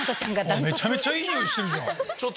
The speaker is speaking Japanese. めちゃめちゃいい匂いしてる。